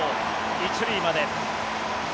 １塁まで。